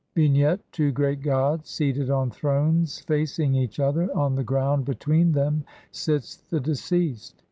] Vignette : Two "great gods" seated on thrones facing each other : on the ground between them sits the deceased.